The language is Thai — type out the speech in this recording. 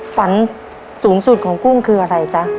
ฝันสูงสุดของกุ้งคืออะไรจ๊ะ